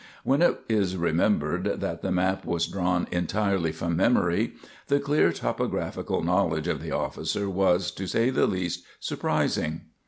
When it is remembered that the map was drawn entirely from memory, the clear topographical knowledge of the officer was, to say the least, surprising.